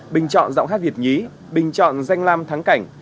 bình chọn giọng hát việt nhí bình chọn danh lam thắng cảnh